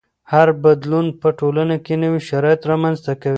هر بدلون په ټولنه کې نوي شرایط رامنځته کوي.